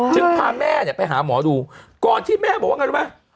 พาแม่เนี่ยไปหาหมอดูก่อนที่แม่บอกว่าไงรู้ไหม